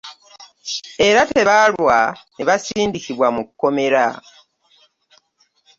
Era tebaalwa ne basindikibwa mu kkomera